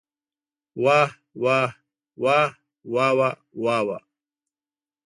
واه واه واه واوا واوا.